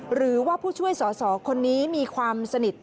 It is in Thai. หรือว่าผู้ช่วยสอสอคนนี้มีความสนิท